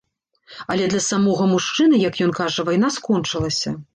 Але для самога мужчыны, як ён кажа, вайна скончылася.